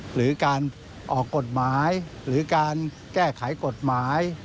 หรือการออกกฎหมายหรือการแก้ไขกฎหมาย